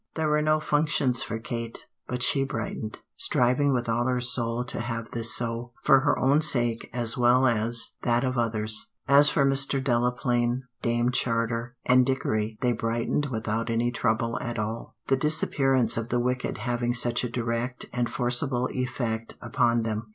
There were no functions for Kate, but she brightened, striving with all her soul to have this so, for her own sake as well as that of others. As for Mr. Delaplaine, Dame Charter, and Dickory, they brightened without any trouble at all, the disappearance of the wicked having such a direct and forcible effect upon them.